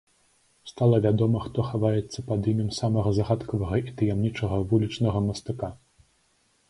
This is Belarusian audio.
Стала вядома, хто хаваецца пад імем самага загадкавага і таямнічага вулічнага мастака.